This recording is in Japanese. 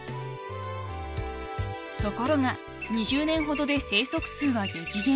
［ところが２０年ほどで生息数は激減。